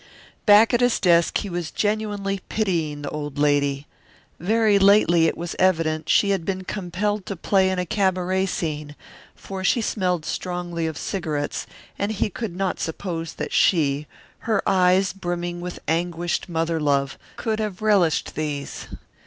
Back at his desk he was genuinely pitying the old lady. Very lately, it was evident, she had been compelled to play in a cabaret scene, for she smelled strongly of cigarettes, and he could not suppose that she, her eyes brimming with anguished mother love, could have relished these.